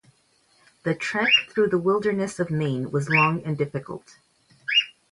The trek through the wilderness of Maine was long and difficult.